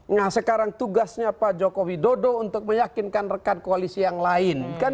nah sekarang tugasnya pak joko widodo untuk meyakinkan rekan koalisi yang lain